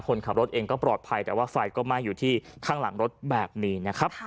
คนขับรถเองก็ปลอดภัยแต่ว่าไฟก็ไหม้อยู่ที่ข้างหลังรถแบบนี้นะครับ